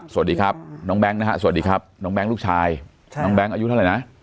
สวัสดีครับน้องแบงก์ลูกชายน้องแบงก์อายุเท่าไหร่นะ